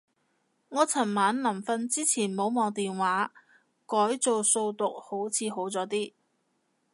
我尋晚臨瞓之前冇望電話，改做數獨好似好咗啲